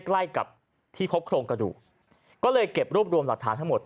ใกล้กับที่พบโครงกระดูกก็เลยเก็บรวบรวมหลักฐานทั้งหมด